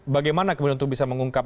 bagaimana untuk bisa mengungkap